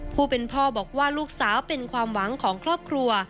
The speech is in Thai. ผู้เป็นพ่อบอกว่าลูกสาวเป็นความหวังของครอบครัว